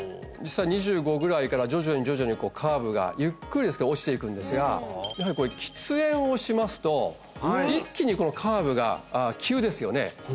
実際２５ぐらいから徐々に徐々にこうカーブがゆっくりですが落ちていくんですがやはりこれ喫煙をしますと一気にこのカーブが急ですよね